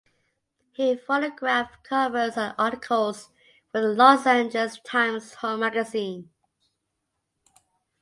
He photographed covers and articles for the "Los Angeles Times" "Home" magazine.